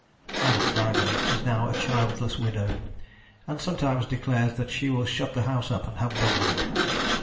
Madame Faragon is now a childless widow, and sometimes declares that she will shut the house up and have done with it.